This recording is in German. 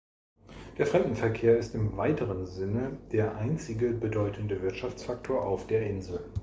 Der Fremdenverkehr ist im weiteren Sinne der einzige bedeutende Wirtschaftsfaktor auf der Insel.